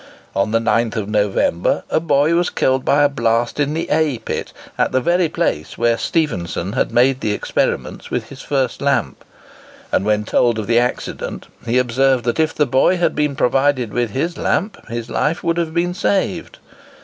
On the 9th November a boy was killed by a blast in the A pit, at the very place where Stephenson had made the experiments with his first lamp; and, when told of the accident, he observed that if the boy had been provided with his lamp, his life would have been saved.